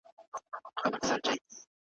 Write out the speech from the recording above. دویم او حتا درېیم نسل به مو سوکاله